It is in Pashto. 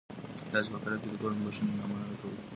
تاسي په اخیرت کي د کومې بښنې مننه کوئ؟